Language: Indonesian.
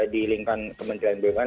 di lingkungan kementerian bumn